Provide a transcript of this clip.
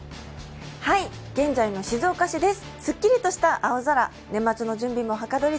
現在の静岡市です。